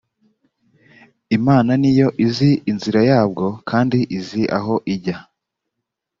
imana ni yo izi inzira yabwo kandi izi aho ijya